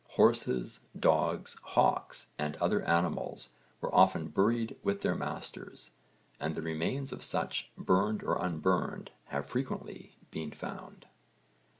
Horses, dogs, hawks and other animals were often buried with their masters, and the remains of such, burned or unburned, have frequently been found.